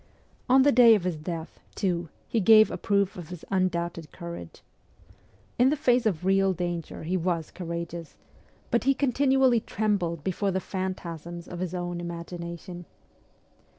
On the day of his death, too, he gave a proof of his undoubted courage. In the face of real danger he was courageous ; but he continually trembled before the phantasms of his own imagination.